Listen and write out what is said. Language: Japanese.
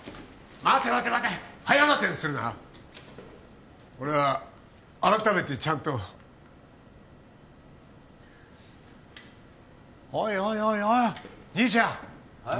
待て待て待て早合点するな俺は改めてちゃんとおいおいおいおい兄ちゃんえっ？